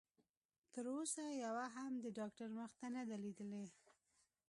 تر اوسه يوه هم د ډاکټر مخ نه دی ليدلی.